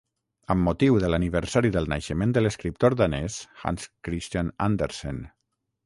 Amb motiu de l'aniversari del naixement de l'escriptor danès Hans Christian Andersen.